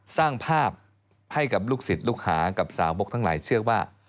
สร้างภาพให้กับลูกศิษย์ลูกหากับสาวบกทั้งหลายเชื่อว่า